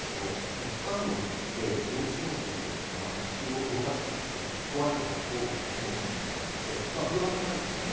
一般論として腰痛持ちの人は腰を動かすことが怖いとか恐怖を感じてしまって不安なんですね。